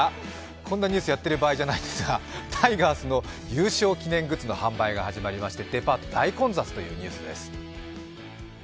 こんなニュース、やっている場合じゃないんですがタイガースの優勝記念グッズが販売されデパート大混雑というニュースです。